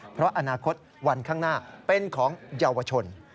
เพราะอนาคตวันข้างหน้าเป็นของเยาวชน